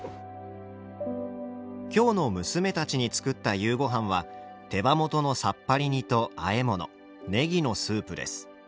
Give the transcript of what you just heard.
「今日の娘たちに作った夕ご飯は手羽元のさっぱり煮と和え物ネギのスープです。